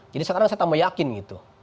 jadi sekarang saya tambah yakin gitu